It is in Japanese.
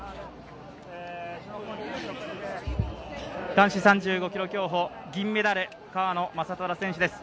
男子３５ｋｍ競歩、銀メダル川野将虎選手です。